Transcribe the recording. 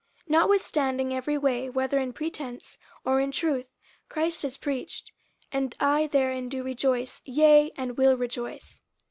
notwithstanding, every way, whether in pretence, or in truth, Christ is preached; and I therein do rejoice, yea, and will rejoice.